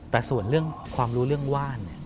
แต่ส่วนเรื่องความรู้เรื่องว่าน